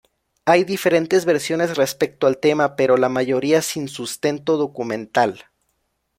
Hay diferentes versiones respecto al tema pero, la mayoría sin sustento documental.